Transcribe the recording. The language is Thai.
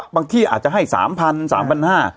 ที่อาจจะให้๓๐๐๓๕๐๐บาท